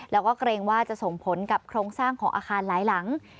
แล้วก็เกรงว่าจะส่งผลกับโครงสร้างของอาคารหลายหลัง